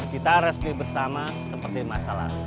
kita harus pergi bersama seperti masalah